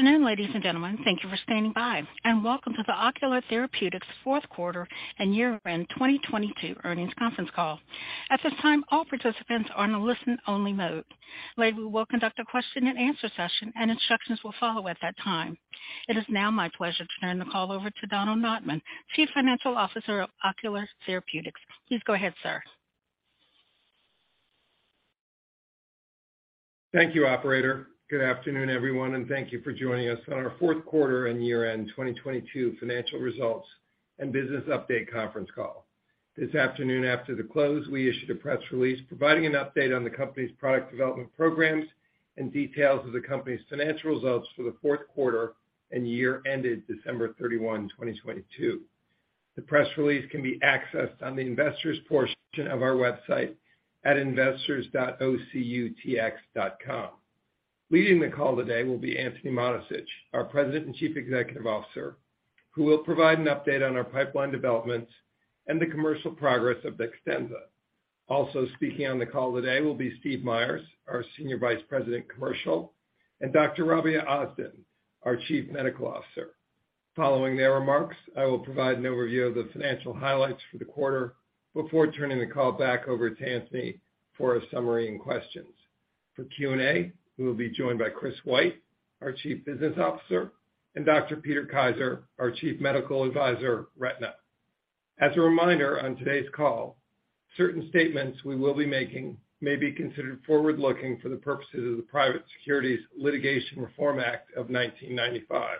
Good afternoon, ladies and gentlemen. Thank you for standing by, welcome to the Ocular Therapeutix fourth quarter and year-end 2022 earnings conference call. At this time, all participants are in a listen-only mode. Later, we will conduct a question-and-answer session, instructions will follow at that time. It is now my pleasure to turn the call over to Donald Notman, Chief Financial Officer of Ocular Therapeutix. Please go ahead, sir. Thank you, operator. Good afternoon, everyone, and thank you for joining us on our fourth quarter and year-end 2022 financial results and business update conference call. This afternoon, after the close, we issued a press release providing an update on the company's product development programs and details of the company's financial results for the fourth quarter and year ended December 31, 2022. The press release can be accessed on the investors portion of our website at investors.ocutx.com. Leading the call today will be Antony Mattessich, our President and Chief Executive Officer, who will provide an update on our pipeline developments and the commercial progress of DEXTENZA. Also speaking on the call today will be Steve Meyers, our Senior Vice President, Commercial, and Dr. Rabia Gurses Ozden, our Chief Medical Officer. Following their remarks, I will provide an overview of the financial highlights for the quarter before turning the call back over to Antony Mattessich for a summary and questions. For Q&A, we will be joined by Chris White, our Chief Business Officer, and Dr. Peter Kiser, our Chief Medical Advisor, Retina. As a reminder, on today's call, certain statements we will be making may be considered forward-looking for the purposes of the Private Securities Litigation Reform Act of 1995.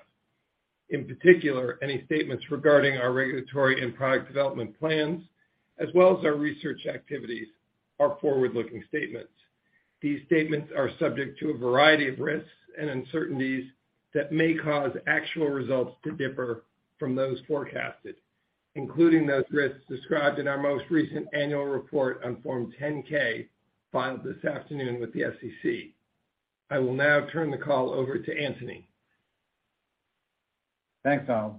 In particular, any statements regarding our regulatory and product development plans as well as our research activities are forward-looking statements. These statements are subject to a variety of risks and uncertainties that may cause actual results to differ from those forecasted, including those risks described in our most recent annual report on Form 10-K filed this afternoon with the SEC. I will now turn the call over to Antony Mattessich. Thanks, Donald.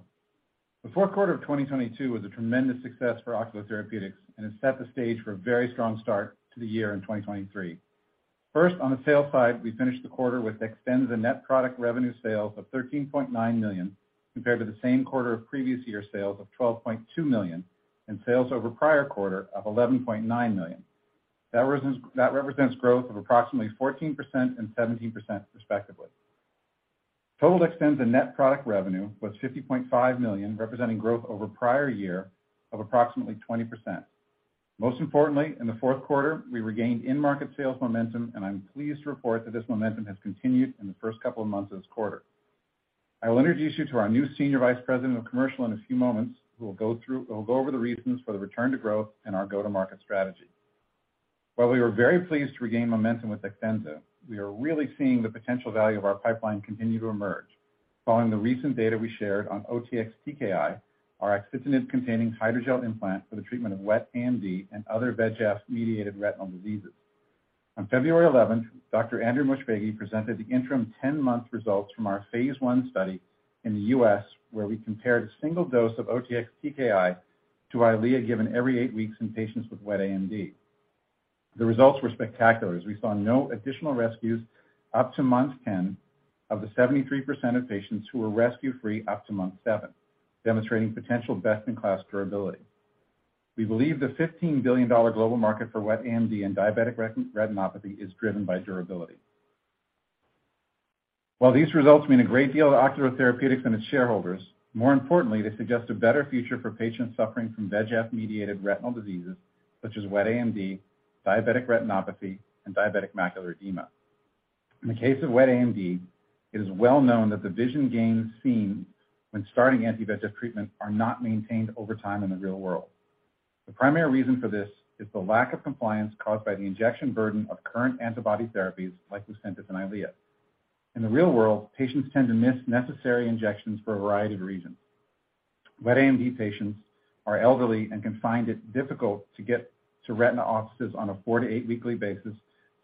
The fourth quarter of 2022 was a tremendous success for Ocular Therapeutix and has set the stage for a very strong start to the year in 2023. First, on the sales side, we finished the quarter with DEXTENZA net product revenue sales of $13.9 million, compared to the same quarter of previous year's sales of $12.2 million and sales over prior quarter of $11.9 million. That represents growth of approximately 14% and 17% respectively. Total DEXTENZA net product revenue was $50.5 million, representing growth over prior year of approximately 20%. Most importantly, in the fourth quarter, we regained in-market sales momentum, I'm pleased to report that this momentum has continued in the first couple of months of this quarter. I will introduce you to our new Senior Vice President of Commercial in a few moments, who will go over the reasons for the return to growth and our go-to-market strategy. While we were very pleased to regain momentum with DEXTENZA, we are really seeing the potential value of our pipeline continue to emerge following the recent data we shared on OTX-TKI, our axitinib-containing hydrogel implant for the treatment of wet AMD and other VEGF-mediated retinal diseases. On February eleventh, Dr. Andrew Moshfeghi presented the interim 10-month results from our phase I study in the U.S., where we compared a single dose of OTX-TKI to EYLEA given every eight weeks in patients with wet AMD. The results were spectacular as we saw no additional rescues up to month 10 of the 73% of patients who were rescue-free up to month 7, demonstrating potential best-in-class durability. We believe the $15 billion global market for wet AMD and diabetic retinopathy is driven by durability. While these results mean a great deal to Ocular Therapeutix and its shareholders, more importantly, they suggest a better future for patients suffering from VEGF-mediated retinal diseases such as wet AMD, diabetic retinopathy, and diabetic macular edema. In the case of wet AMD, it is well known that the vision gains seen when starting anti-VEGF treatments are not maintained over time in the real world. The primary reason for this is the lack of compliance caused by the injection burden of current antibody therapies like LUCENTIS and EYLEA. In the real world, patients tend to miss necessary injections for a variety of reasons. Wet AMD patients are elderly and can find it difficult to get to retina offices on a four to eight weekly basis.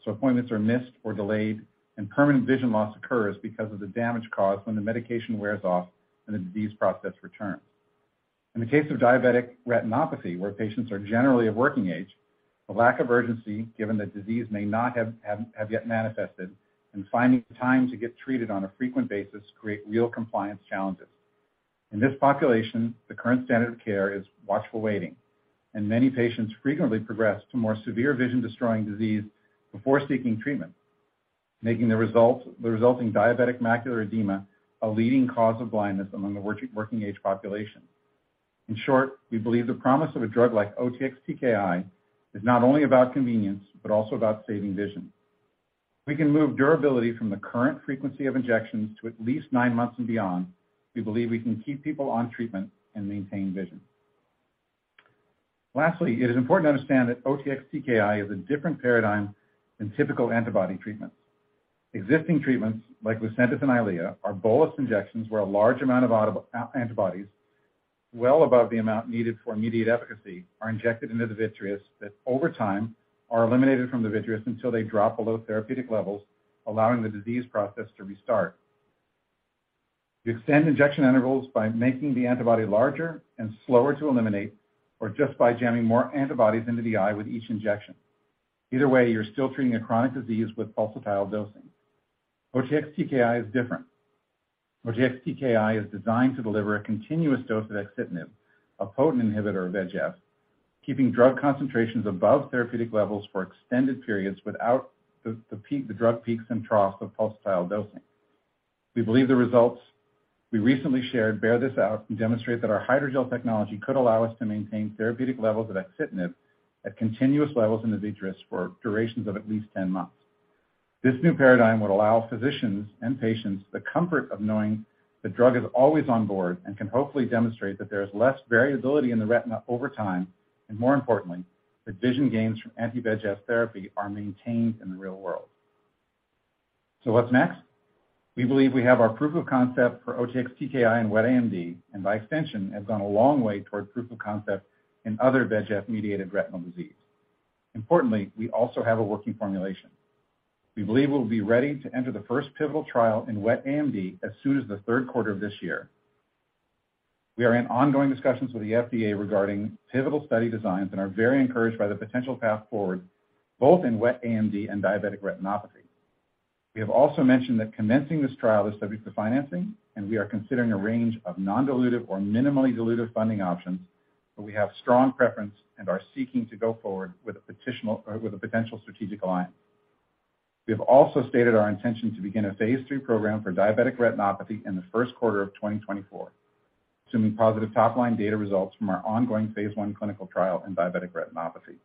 Appointments are missed or delayed, and permanent vision loss occurs because of the damage caused when the medication wears off and the disease process returns. In the case of diabetic retinopathy, where patients are generally of working age, the lack of urgency, given the disease may not have yet manifested, and finding the time to get treated on a frequent basis create real compliance challenges. In this population, the current standard of care is watchful waiting, and many patients frequently progress to more severe vision-destroying disease before seeking treatment, making the resulting diabetic macular edema a leading cause of blindness among the working age population. In short, we believe the promise of a drug like OTX-TKI is not only about convenience but also about saving vision. We can move durability from the current frequency of injections to at least nine months and beyond. We believe we can keep people on treatment and maintain vision. Lastly, it is important to understand that OTX-TKI is a different paradigm than typical antibody treatments. Existing treatments like LUCENTIS and EYLEA are bolus injections where a large amount of antibodies well above the amount needed for immediate efficacy are injected into the vitreous that over time are eliminated from the vitreous until they drop below therapeutic levels, allowing the disease process to restart. We extend injection intervals by making the antibody larger and slower to eliminate or just by jamming more antibodies into the eye with each injection. Either way, you're still treating a chronic disease with pulsatile dosing. OTX-TKI is different. OTX-TKI is designed to deliver a continuous dose of axitinib, a potent inhibitor of VEGF, keeping drug concentrations above therapeutic levels for extended periods without the drug peaks and troughs of pulsatile dosing. We believe the results we recently shared bear this out and demonstrate that our hydrogel technology could allow us to maintain therapeutic levels of axitinib at continuous levels in the vitreous for durations of at least 10 months. This new paradigm would allow physicians and patients the comfort of knowing the drug is always on board and can hopefully demonstrate that there is less variability in the retina over time, and more importantly, that vision gains from anti-VEGF therapy are maintained in the real world. What's next? We believe we have our proof of concept for OTX-TKI and wet AMD, and by extension, have gone a long way toward proof of concept in other VEGF-mediated retinal disease. Importantly, we also have a working formulation. We believe we'll be ready to enter the first pivotal trial in wet AMD as soon as the third quarter of this year. We are in ongoing discussions with the FDA regarding pivotal study designs and are very encouraged by the potential path forward, both in wet AMD and diabetic retinopathy. We have also mentioned that commencing this trial is subject to financing. We are considering a range of non-dilutive or minimally dilutive funding options. We have strong preference and are seeking to go forward with a potential strategic alliance. We have also stated our intention to begin a phase III program for diabetic retinopathy in the first quarter of 2024, assuming positive top-line data results from our ongoing phase I clinical trial in diabetic retinopathy.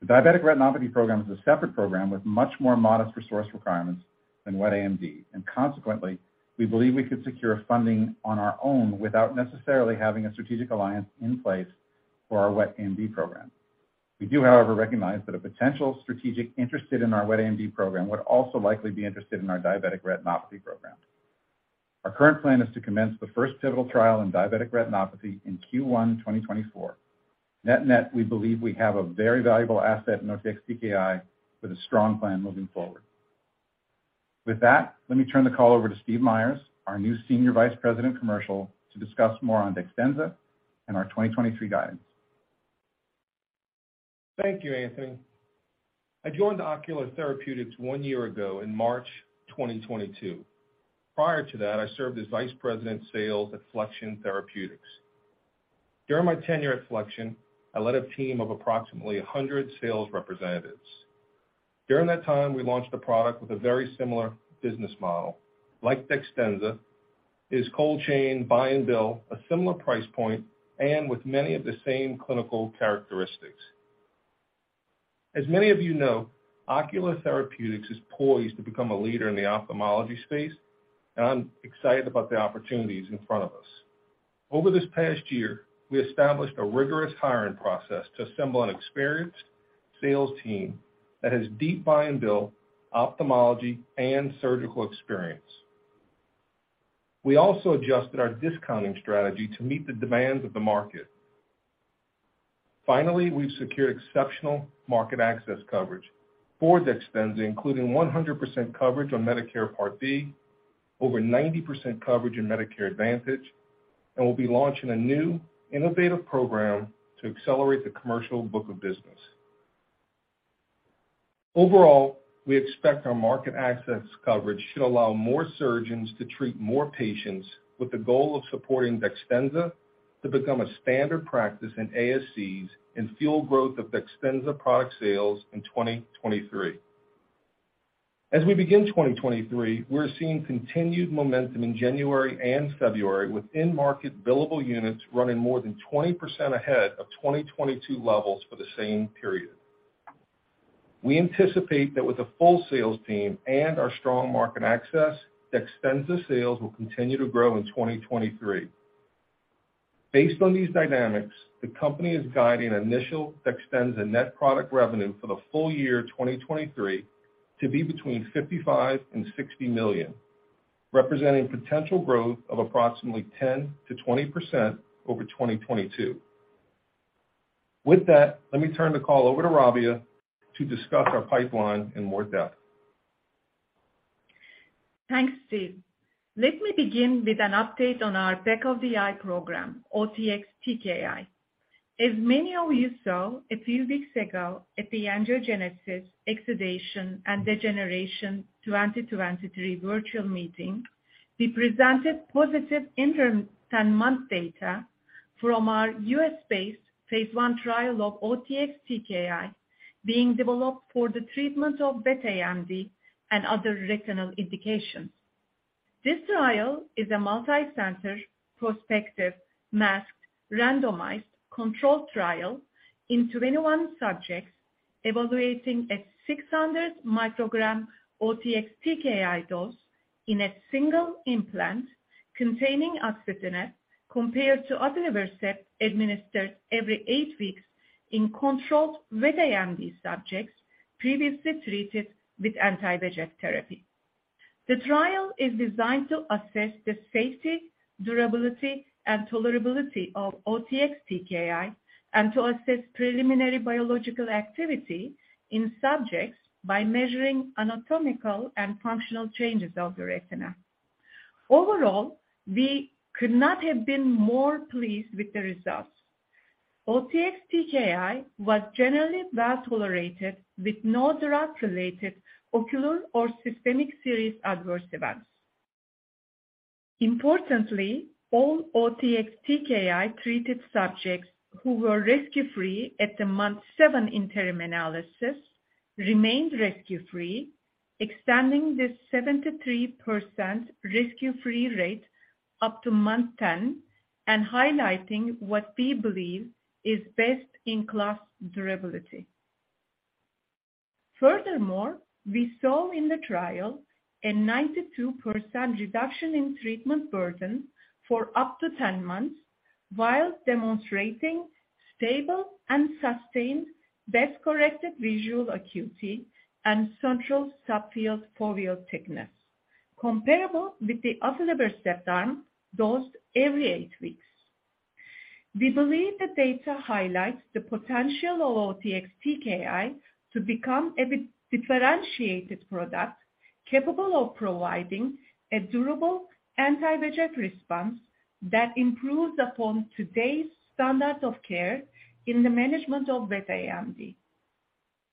The diabetic retinopathy program is a separate program with much more modest resource requirements than wet AMD, consequently, we believe we could secure funding on our own without necessarily having a strategic alliance in place for our wet AMD program. We do, however, recognize that a potential strategic interested in our wet AMD program would also likely be interested in our diabetic retinopathy program. Our current plan is to commence the first pivotal trial in diabetic retinopathy in Q1 2024. Net-net, we believe we have a very valuable asset in OTX-TKI with a strong plan moving forward. With that, let me turn the call over to Steve Meyers, our new Senior Vice President, Commercial, to discuss more on DEXTENZA and our 2023 guidance. Thank you, Antony. I joined Ocular Therapeutix one year ago in March 2022. Prior to that, I served as vice president sales at Flexion Therapeutics. During my tenure at Flexion, I led a team of approximately 100 sales representatives. During that time, we launched a product with a very similar business model. Like DEXTENZA, it is cold chain, buy and bill, a similar price point, and with many of the same clinical characteristics. As many of you know, Ocular Therapeutix is poised to become a leader in the ophthalmology space. I'm excited about the opportunities in front of us. Over this past year, we established a rigorous hiring process to assemble an experienced sales team that has deep buy-and-bill ophthalmology and surgical experience. We also adjusted our discounting strategy to meet the demands of the market. Finally, we've secured exceptional market access coverage for DEXTENZA, including 100% coverage on Medicare Part B, over 90% coverage in Medicare Advantage. We'll be launching a new innovative program to accelerate the commercial book of business. Overall, we expect our market access coverage should allow more surgeons to treat more patients with the goal of supporting DEXTENZA to become a standard practice in ASCs and fuel growth of DEXTENZA product sales in 2023. As we begin 2023, we're seeing continued momentum in January and February with in-market billable units running more than 20% ahead of 2022 levels for the same period. We anticipate that with a full sales team and our strong market access, DEXTENZA sales will continue to grow in 2023. Based on these dynamics, the company is guiding initial DEXTENZA net product revenue for the full year 2023 to be between $55 million and $60 million, representing potential growth of approximately 10% to 20% over 2022. With that, let me turn the call over to Rabia to discuss our pipeline in more depth. Thanks, Steve. Let me begin with an update on our back-of-the-eye program, OTX-TKI. As many of you saw a few weeks ago at the Angiogenesis, Exudation, and Degeneration 2023 virtual meeting, we presented positive interim 10-month data from our U.S.-based phase I trial of OTX-TKI being developed for the treatment of wet AMD and other retinal indications. This trial is a multicenter, prospective, masked, randomized, controlled trial in 21 subjects evaluating a 600 microgram OTX-TKI dose in a single implant containing axitinib, compared to aflibercept administered every eight weeks in controlled wet AMD subjects previously treated with anti-VEGF therapy. The trial is designed to assess the safety, durability, and tolerability of OTX-TKI and to assess preliminary biological activity in subjects by measuring anatomical and functional changes of the retina. Overall, we could not have been more pleased with the results. OTX-TKI was generally well tolerated with no drug-related ocular or systemic serious adverse events. Importantly, all OTX-TKI treated subjects who were risk-free at the month seven interim analysis remained risk-free, extending this 73% risk-free rate up to month 10 and highlighting what we believe is best-in-class durability. Furthermore, we saw in the trial a 92% reduction in treatment burden for up to 10 months while demonstrating stable and sustained Best Corrected Visual Acuity and central subfield foveal thickness, comparable with the available step-down dosed every 8 weeks. We believe the data highlights the potential of OTX-TKI to become a di-differentiated product capable of providing a durable anti-VEGF response that improves upon today's standard of care in the management of wet AMD.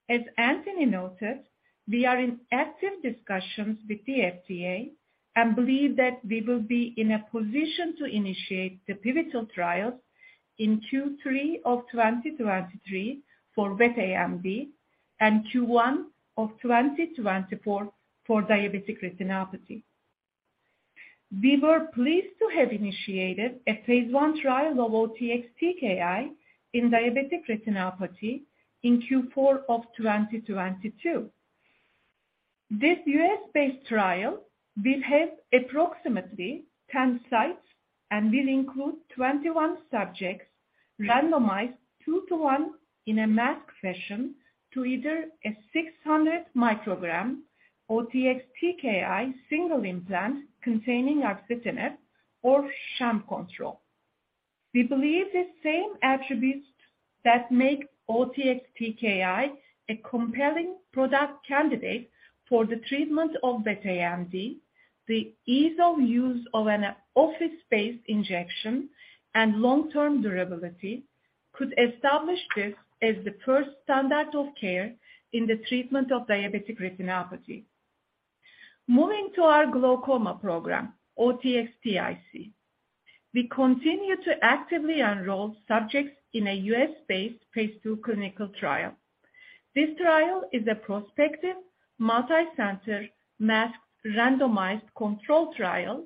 As Antony Mattessich noted, we are in active discussions with the FDA and believe that we will be in a position to initiate the pivotal trials in Q3 of 2023 for wet AMD and Q1 of 2024 for diabetic retinopathy. We were pleased to have initiated a phase I trial of OTX-TKI in diabetic retinopathy in Q4 of 2022. This U.S.-based trial will have approximately 10 sites and will include 21 subjects randomized two to one in a masked fashion to either a 600 mcg OTX-TKI single implant containing axitinib or sham control. We believe the same attributes that make OTX-TKI a compelling product candidate for the treatment of wet AMD, the ease of use of an office-based injection and long-term durability could establish this as the first standard of care in the treatment of diabetic retinopathy. Moving to our glaucoma program, OTX-TIC. We continue to actively enroll subjects in a U.S.-based phase II clinical trial. This trial is a prospective multicenter masked randomized controlled trial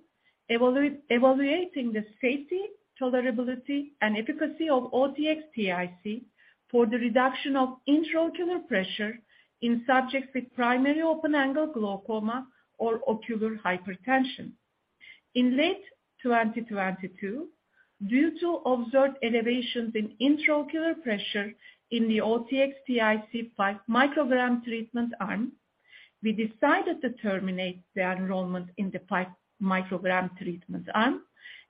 evaluating the safety, tolerability, and efficacy of OTX-TIC for the reduction of intraocular pressure in subjects with primary open-angle glaucoma or ocular hypertension. In late 2022, due to observed elevations in intraocular pressure in the OTX-TIC 5 mcg treatment arm, we decided to terminate the enrollment in the 5 mcg treatment arm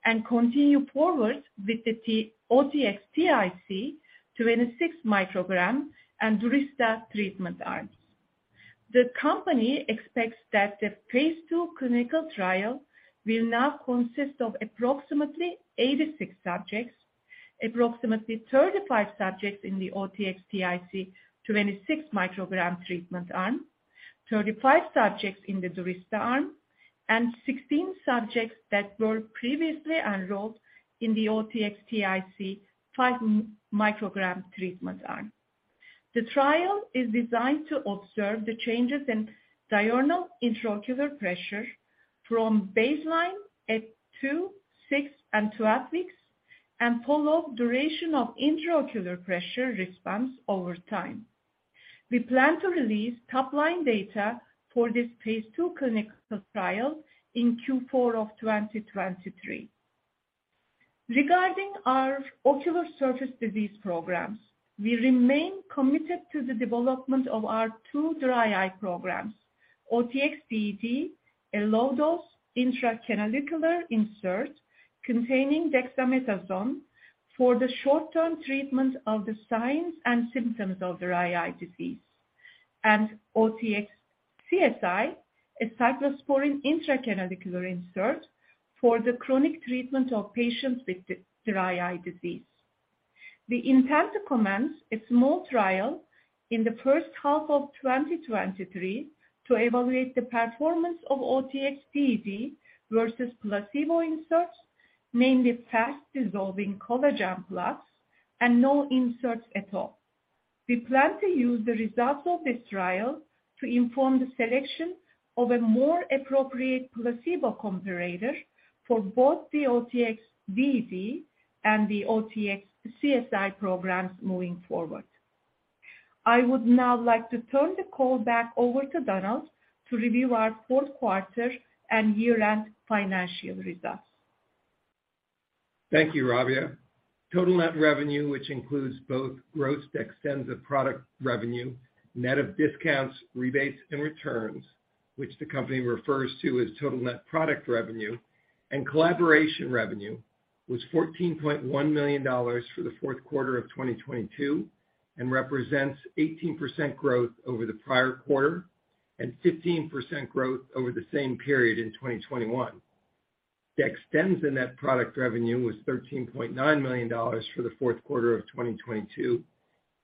and continue forward with the OTX-TIC 26 mcg and DURYSTA treatment arms. The company expects that the phase II clinical trial will now consist of approximately 86 subjects, approximately 35 subjects in the OTX-TIC 26 mcg treatment arm, 35 subjects in the DURYSTA arm, and 16 subjects that were previously enrolled in the OTX-TIC 5 mcg treatment arm. The trial is designed to observe the changes in diurnal intraocular pressure from baseline at two, six, and 12 weeks and follow duration of intraocular pressure response over time. We plan to release top-line data for this phase II clinical trial in Q4 of 2023. Regarding our ocular surface disease programs, we remain committed to the development of our two dry eye programs, OTX-DED, a low-dose intracanalicular insert containing dexamethasone for the short-term treatment of the signs and symptoms of dry eye disease, and OTX-CSI, a cyclosporine intracanalicular insert for the chronic treatment of patients with dry eye disease. We intend to commence a small trial in the first half of 2023 to evaluate the performance of OTX-DED versus placebo inserts, namely fast-dissolving collagen plugs and no inserts at all. We plan to use the results of this trial to inform the selection of a more appropriate placebo comparator for both the OTX-DED and the OTX-CSI programs moving forward. I would now like to turn the call back over to Donald to review our fourth quarter and year-end financial results. Thank you, Rabia. Total net revenue, which includes both gross DEXTENZA product revenue, net of discounts, rebates, and returns, which the company refers to as total net product revenue, and collaboration revenue was $14.1 million for the fourth quarter of 2022, represents 18% growth over the prior quarter and 15% growth over the same period in 2021. DEXTENZA net product revenue was $13.9 million for the fourth quarter of 2022,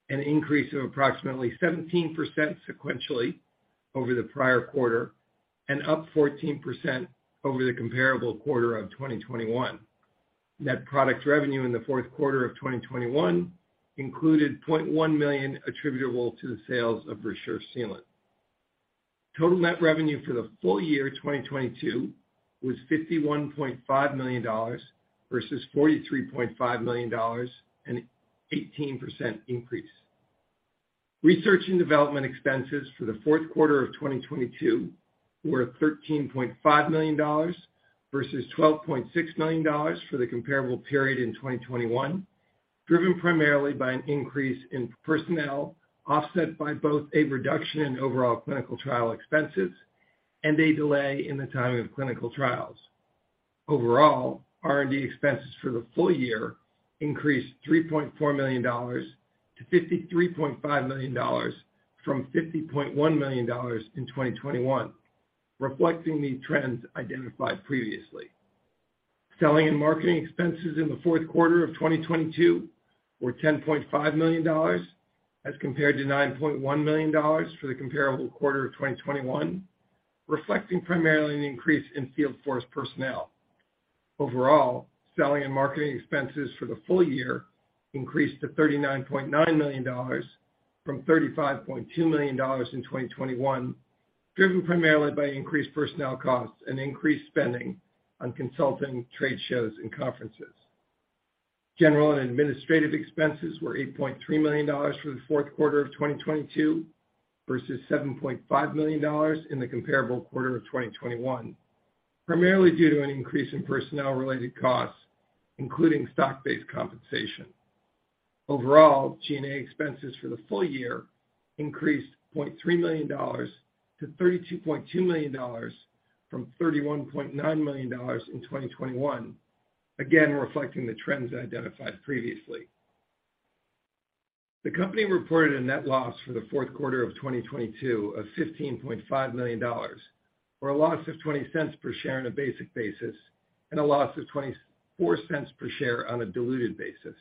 an increase of approximately 17% sequentially over the prior quarter and up 14% over the comparable quarter of 2021. Net product revenue in the fourth quarter of 2021 included $0.1 million attributable to the sales of ReSure Sealant. Total net revenue for the full year 2022 was $51.5 million versus $43.5 million, an 18% increase. Research and development expenses for the fourth quarter of 2022 were $13.5 million versus $12.6 million for the comparable period in 2021, driven primarily by an increase in personnel offset by both a reduction in overall clinical trial expenses and a delay in the timing of clinical trials. Overall, R&D expenses for the full year increased $3.4 million to $53.5 million from $50.1 million in 2021, reflecting the trends identified previously. Selling and marketing expenses in the fourth quarter of 2022 were $10.5 million as compared to $9.1 million for the comparable quarter of 2021, reflecting primarily an increase in field force personnel. Overall, selling and marketing expenses for the full year increased to $39.9 million from $35.2 million in 2021, driven primarily by increased personnel costs and increased spending on consulting, trade shows, and conferences. General and administrative expenses were $8.3 million for the fourth quarter of 2022 versus $7.5 million in the comparable quarter of 2021, primarily due to an increase in personnel-related costs, including stock-based compensation. Overall, G&A expenses for the full year increased $0.3 million to $32.2 million from $31.9 million in 2021. Again, reflecting the trends identified previously. The company reported a net loss for the fourth quarter of 2022 of $15.5 million, or a loss of $0.20 per share on a basic basis and a loss of $0.24 per share on a diluted basis,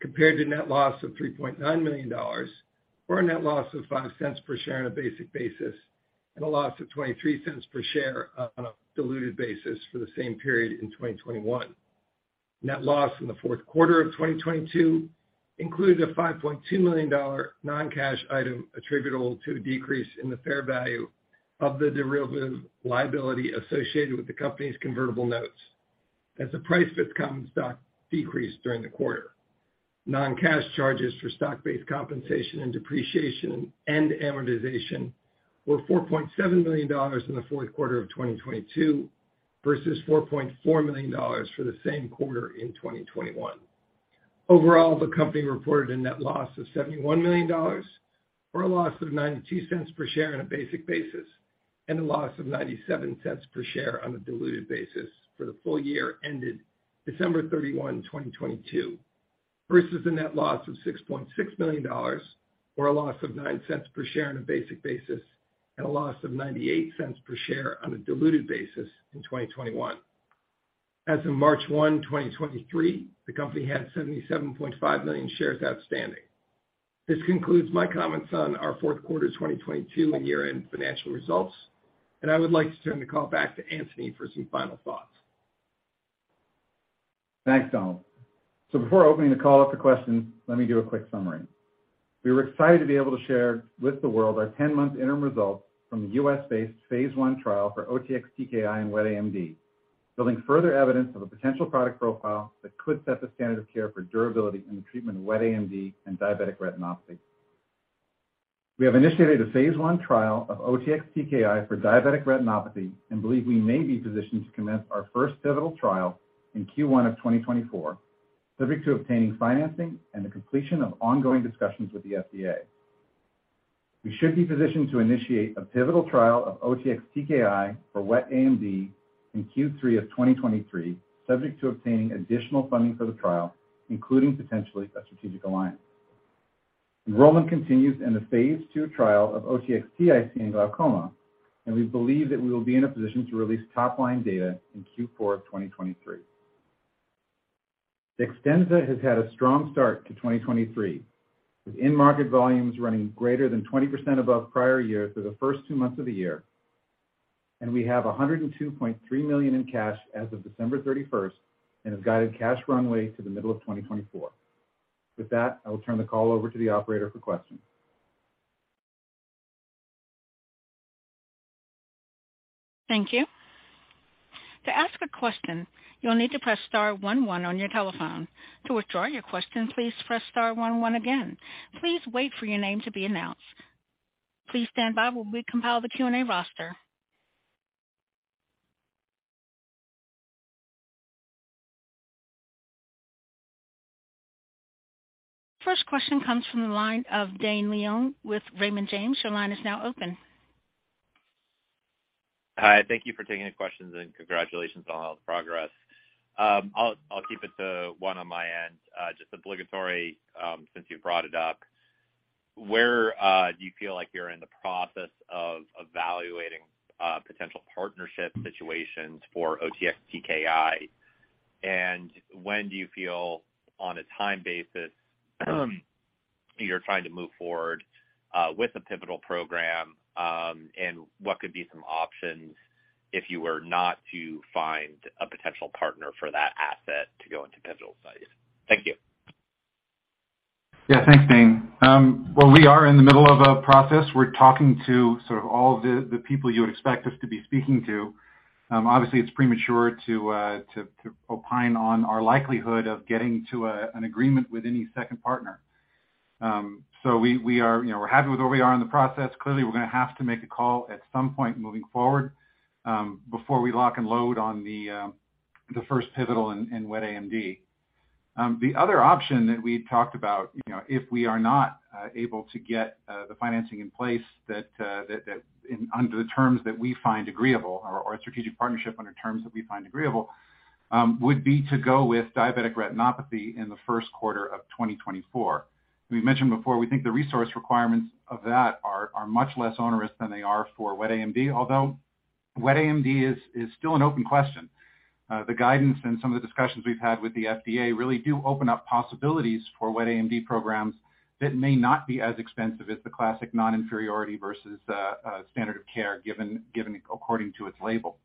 compared to net loss of $3.9 million or a net loss of $0.05 per share on a basic basis and a loss of $0.23 per share on a diluted basis for the same period in 2021. Net loss in the fourth quarter of 2022 included a $5.2 million non-cash item attributable to a decrease in the fair value of the derivative liability associated with the company's convertible notes as the price of common stock decreased during the quarter. Non-cash charges for stock-based compensation and depreciation and amortization were $4.7 million in the fourth quarter of 2022 versus $4.4 million for the same quarter in 2021. Overall, the company reported a net loss of $71 million or a loss of $0.92 per share on a basic basis, and a loss of $0.97 per share on a diluted basis for the full year ended December 31, 2022, versus a net loss of $6.6 million or a loss of $0.09 per share on a basic basis and a loss of $0.98 per share on a diluted basis in 2021. As of March 1, 2023, the company had 77.5 million shares outstanding. This concludes my comments on our fourth quarter 2022 and year-end financial results, and I would like to turn the call back to Antony for some final thoughts. Thanks, Donald. Before opening the call up for questions, let me give a quick summary. We were excited to be able to share with the world our 10-month interim results from the U.S.-based phase I trial for OTX-TKI in wet AMD, building further evidence of a potential product profile that could set the standard of care for durability in the treatment of wet AMD and diabetic retinopathy. We have initiated a phase I trial of OTX-TKI for diabetic retinopathy and believe we may be positioned to commence our first pivotal trial in Q1 of 2024, subject to obtaining financing and the completion of ongoing discussions with the FDA. We should be positioned to initiate a pivotal trial of OTX-TKI for wet AMD in Q3 of 2023, subject to obtaining additional funding for the trial, including potentially a strategic alliance. Enrollment continues in the phase II trial of OTX-TIC in glaucoma. We believe that we will be in a position to release top-line data in Q4 of 2023. DEXTENZA has had a strong start to 2023, with in-market volumes running greater than 20% above prior years for the first two months of the year. We have $102.3 million in cash as of December 31st and have guided cash runway to the middle of 2024. With that, I will turn the call over to the operator for questions. Thank you. To ask a question, you'll need to press star one one on your telephone. To withdraw your question, please press star one one again. Please wait for your name to be announced. Please stand by while we compile the Q&A roster. First question comes from the line of Dane Leone with Raymond James. Your line is now open. Hi. Thank you for taking the questions and congratulations on all the progress. I'll keep it to one on my end. Just obligatory, since you've brought it up, where do you feel like you're in the process of evaluating potential partnership situations for OTX-TKI? When do you feel on a time basis you're trying to move forward with a pivotal program, and what could be some options if you were not to find a potential partner for that asset to go into pivotal studies? Thank you. Yeah. Thanks, Dane. Well, we are in the middle of a process. We're talking to sort of all the people you would expect us to be speaking to. Obviously, it's premature to opine on our likelihood of getting to an agreement with any second partner. We are, you know, we're happy with where we are in the process. Clearly, we're gonna have to make a call at some point moving forward before we lock and load on the first pivotal in wet AMD. The other option that we talked about, you know, if we are not able to get the financing in place that under the terms that we find agreeable or a strategic partnership under terms that we find agreeable, would be to go with diabetic retinopathy in the 1st quarter of 2024. We've mentioned before, we think the resource requirements of that are much less onerous than they are for wet AMD, although wet AMD is still an open question. The guidance and some of the discussions we've had with the FDA really do open up possibilities for wet AMD programs that may not be as expensive as the classic non-inferiority versus standard of care given according to its label.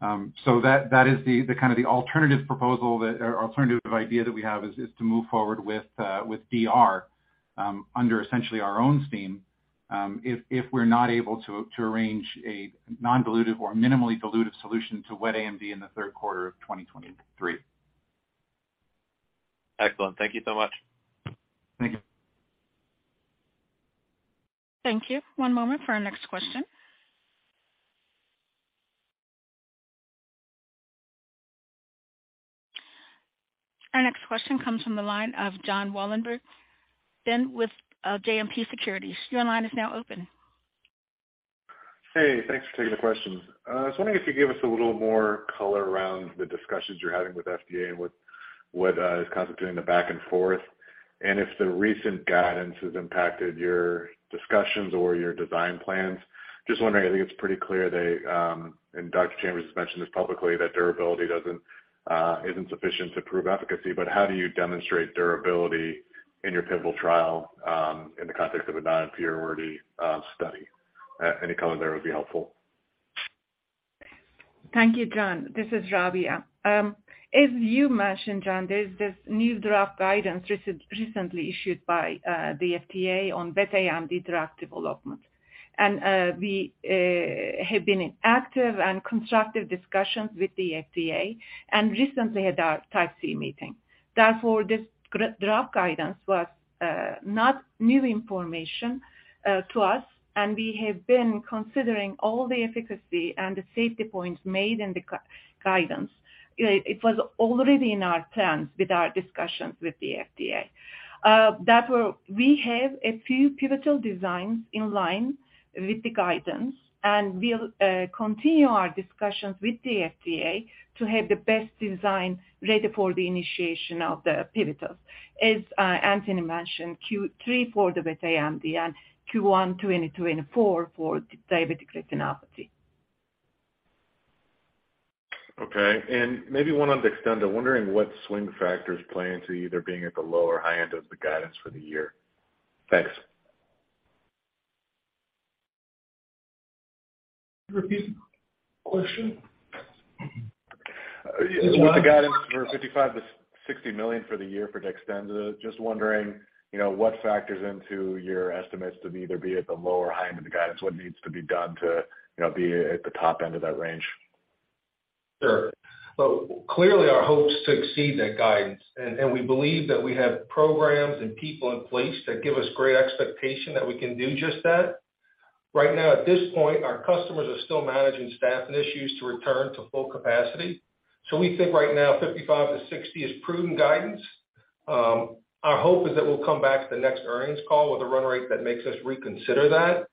That is the kind of the alternative proposal or alternative idea that we have is to move forward with DR under essentially our own steam, if we're not able to arrange a non-dilutive or minimally dilutive solution to wet AMD in the third quarter of 2023. Excellent. Thank you so much. Thank you. Thank you. One moment for our next question. Our next question comes from the line of Jonathan Wolleben then with, JMP Securities. Your line is now open. Hey, thanks for taking the questions. I was wondering if you could give us a little more color around the discussions you're having with FDA and what is constituting the back and forth, and if the recent guidance has impacted your discussions or your design plans. Just wondering, I think it's pretty clear they, and Dr. Chambers has mentioned this publicly, that durability isn't sufficient to prove efficacy, but how do you demonstrate durability in your pivotal trial in the context of a non-inferiority study? Any comment there would be helpful. Thank you, John. This is Rabia. As you mentioned, John, there's this new draft guidance recently issued by the FDA on wet AMD drug development. We have been in active and constructive discussions with the FDA and recently had our Type C meeting. Therefore, this draft guidance was not new information to us, and we have been considering all the efficacy and the safety points made in the guidance. It was already in our plans with our discussions with the FDA. We have a few pivotal designs in line with the guidance, and we'll continue our discussions with the FDA to have the best design ready for the initiation of the pivotals. As Antony mentioned, Q3 for the wet AMD and Q1 2024 for diabetic retinopathy. Okay. Maybe one on DEXTENZA. I'm wondering what swing factors play into either being at the low or high end of the guidance for the year. Thanks. Repeat the question. The guidance for $55 million to $60 million for the year for DEXTENZA. Just wondering, you know, what factors into your estimates to either be at the low or high end of the guidance, what needs to be done to, you know, be at the top end of that range? Clearly our hope is to exceed that guidance. We believe that we have programs and people in place that give us great expectation that we can do just that. Right now, at this point, our customers are still managing staffing issues to return to full capacity. We think right now $55 million to $60 million is prudent guidance. Our hope is that we'll come back to the next earnings call with a run rate that makes us reconsider that.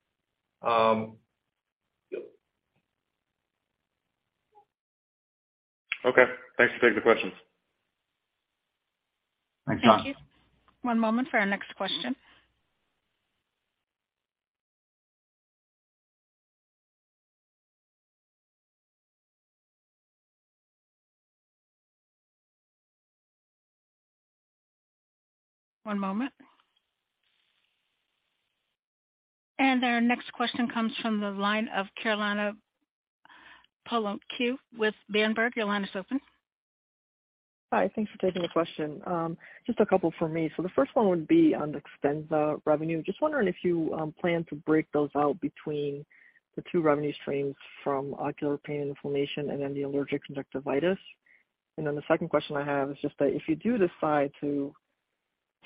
Okay. Thanks. Thanks for taking the questions. Thanks, John. Thank you. One moment for our next question. Our next question comes from the line of Carolina von Plettenberg with Berenberg. Your line is open. Hi. Thanks for taking the question. Just a couple for me. The first one would be on DEXTENZA revenue. Just wondering if you plan to break those out between the two revenue streams from ocular pain inflammation and then the allergic conjunctivitis. The second question I have is just that if you do decide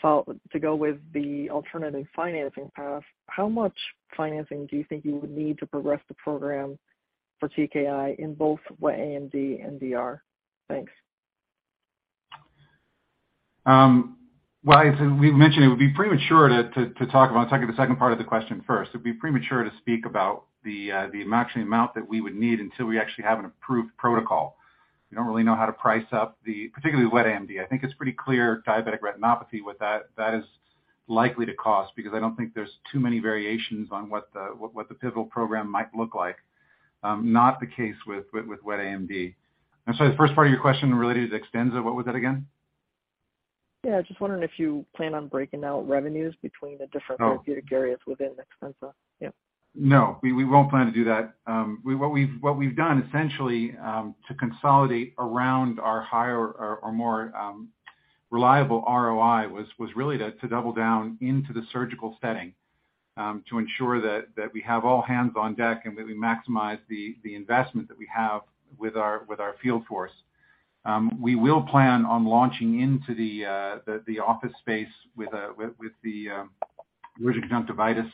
to go with the alternative financing path, how much financing do you think you would need to progress the program? For TKI in both wet AMD and DR. Thanks. Well, as we mentioned, it would be premature to talk about, I'll talk about the second part of the question first. It'd be premature to speak about the matching amount that we would need until we actually have an approved protocol. We don't really know how to price up the, particularly wet AMD. I think it's pretty clear diabetic retinopathy with that is likely to cost because I don't think there's too many variations on what the pivotal program might look like. Not the case with wet AMD. I'm sorry, the first part of your question related to DEXTENZA. What was that again? Yeah, I was just wondering if you plan on breaking out revenues between the different- Oh. therapeutic areas within DEXTENZA. Yeah. No. We won't plan to do that. What we've done essentially, to consolidate around our higher or more reliable ROI was really to double down into the surgical setting, to ensure that we have all hands on deck and that we maximize the investment that we have with our field force. We will plan on launching into the office space with the uveitis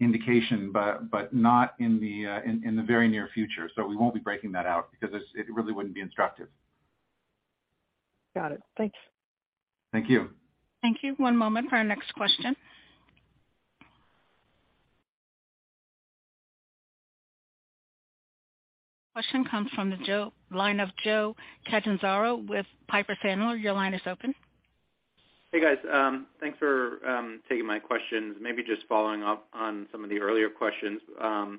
indication, but not in the very near future. We won't be breaking that out because it really wouldn't be instructive. Got it. Thanks. Thank you. Thank you. One moment for our next question. Question comes from the line of Joseph Catanzaro with Piper Sandler. Your line is open. Hey, guys. Thanks for taking my questions. Maybe just following up on some of the earlier questions. I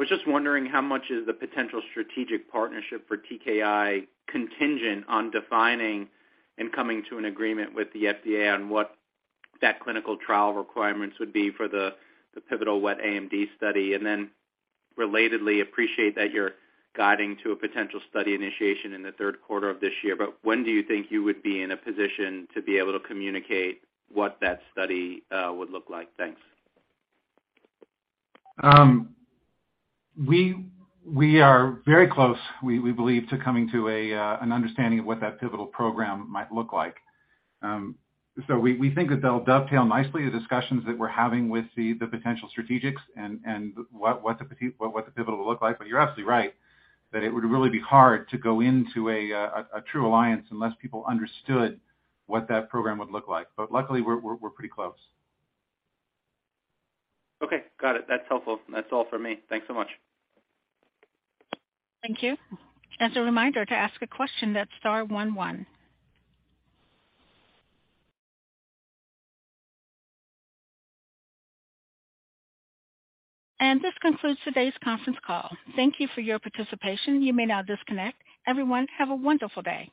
was just wondering how much is the potential strategic partnership for TKI contingent on defining and coming to an agreement with the FDA on what that clinical trial requirements would be for the pivotal wet AMD study? Relatedly, appreciate that you're guiding to a potential study initiation in the third quarter of this year, but when do you think you would be in a position to be able to communicate what that study would look like? Thanks. We are very close, we believe, to coming to an understanding of what that pivotal program might look like. We think that they'll dovetail nicely, the discussions that we're having with the potential strategics and what the pivotal will look like. You're absolutely right that it would really be hard to go into a true alliance unless people understood what that program would look like. Luckily, we're pretty close. Okay. Got it. That's helpful. That's all for me. Thanks so much. Thank you. As a reminder, to ask a question, that's star one one. This concludes today's conference call. Thank you for your participation. You may now disconnect. Everyone, have a wonderful day.